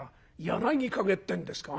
『柳陰』ってんですか？